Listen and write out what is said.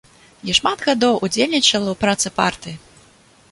Я шмат гадоў удзельнічала ў працы партыі.